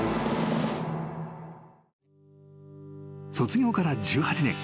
［卒業から１８年］